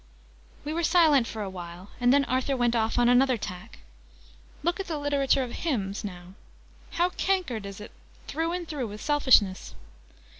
We were silent for awhile, and then Arthur went off on another tack. "Look at the literature of Hymns, now. How cankered it is, through and through, with selfishness!